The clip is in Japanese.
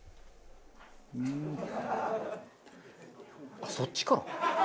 あっそっちから？